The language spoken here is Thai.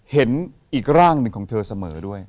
เห็นอีกร่างหนึ่งของเธอเสมอด้วย